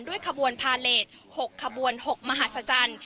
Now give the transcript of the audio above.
ขบวนพาเลส๖ขบวน๖มหาศจรรย์